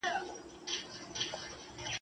د مرګ تر ورځي دغه داستان دی ..